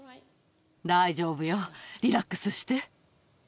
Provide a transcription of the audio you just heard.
大丈夫よ、リラックスして。